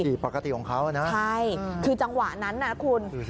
ขี่ปกติของเขานะครับอืมดูสิคือจังหวะนั้นน่ะคุณ